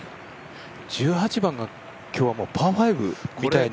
１８番が今日はパー５みたいに。